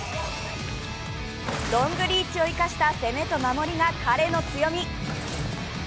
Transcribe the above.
ロングリーチを生かした攻めと守りが彼の強み。